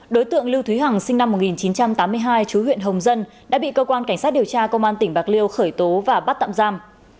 đối tượng lưu thúy hằng sinh năm một nghìn chín trăm tám mươi hai chú huyện hồng dân đã bị cơ quan cảnh sát điều tra công an tỉnh bạc liêu khởi tố và bắt tạm giam